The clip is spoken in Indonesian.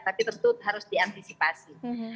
tapi tentu harus diantisipasi